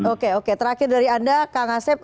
oke oke terakhir dari anda kang asep